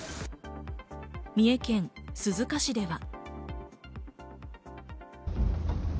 三重県鈴鹿市では。